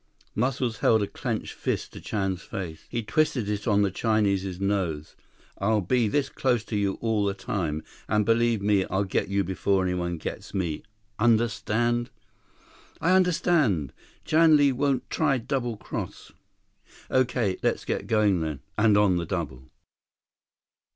Muscles held a clenched fist to Chan's face. He twisted it on the Chinese's nose. "I'll be this close to you all the time. And believe me, I'll get you before anyone gets me. Understand?" "I understand. Chan Li won't try double cross." "Okay. Let's get going then. And on the double."